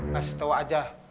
kasih tau aja